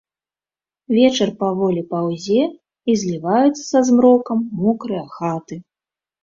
Вечар паволі паўзе, і зліваюцца са змрокам мокрыя хаты.